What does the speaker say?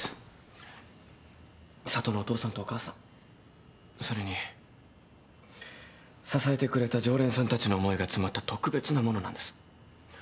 佐都のお父さんとお母さんそれに支えてくれた常連さんたちの思いが詰まった特別なものなんです。